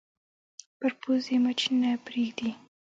پر پوزې مچ نه پرېږدي